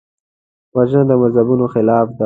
وژنه د مذهبونو خلاف ده